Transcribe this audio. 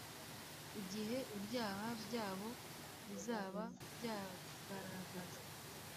Igihe ibyaha byabo bizaba byagaragajwe,